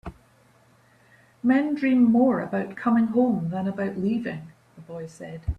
"Men dream more about coming home than about leaving," the boy said.